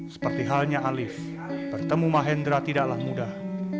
seperti halnya alif bertemu mahendra tidaklah mudah